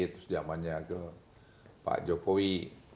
terus zamannya ke pak jokowi